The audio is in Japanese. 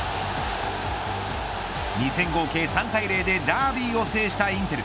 ２戦合計３対０でダービーを制したインテル。